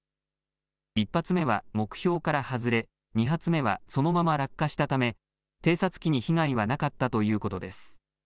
１発目は目標から外れ２発目はそのまま落下したため偵察機に被害はなかったということです。